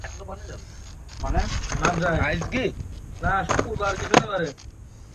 কিছুক্ষণ পরই লাঈছ বিন মোশানকে নিয়ে ফিরে আসে।